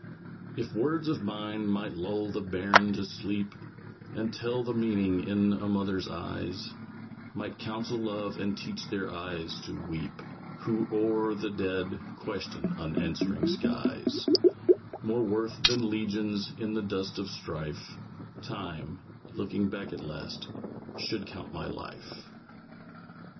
If words of mine might lull the bairn to sleep, And tell the meaning in a mother's eyes; Might counsel love, and teach their eyes to weep Who, o'er their dead, question unanswering skies, More worth than legions in the dust of strife, Time, looking back at last, should count my life.